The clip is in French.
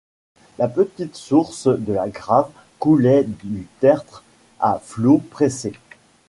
La petite source de la Grave coulait du tertre à flots pressés.